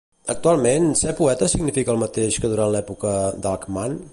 Actualment, ser poeta significa el mateix que durant l'època d'Alcman?